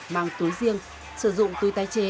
mang túi riêng sử dụng túi tái chế